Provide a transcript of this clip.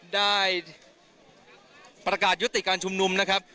ได้ประกาศยุติการชุมนุมนะครับ